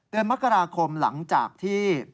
เดือนมกราคมหลังจากที่